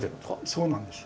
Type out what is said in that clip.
そうなんです。